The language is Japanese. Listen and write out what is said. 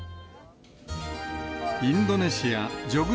インドネシア・ジョグ